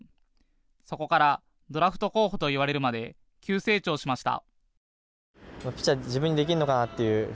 そこからドラフト候補といわれるまで急成長しました。